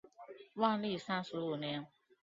万历三十五年。